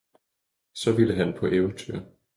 så ville han på eventyr.